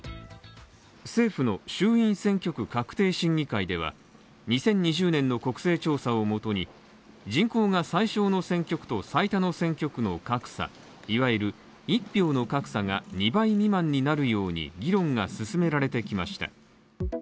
政府の衆院選挙区画定審議会では２０２０年の国勢調査をもとに人口が最少の選挙区と最多の選挙区の格差、いわゆる一票の格差が２倍未満になるように議論が進められてきました。